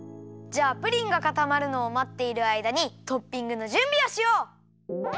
じゃあプリンがかたまるのをまっているあいだにトッピングのじゅんびをしよう！